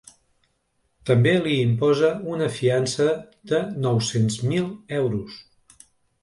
També li imposa una fiança de nou-cents mil euros.